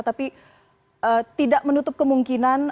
tapi tidak menutup kemungkinan